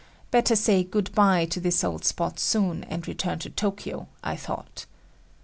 Better say "good by" to this old spot soon and return to Tokyo, I thought.